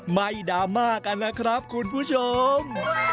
ดราม่ากันนะครับคุณผู้ชม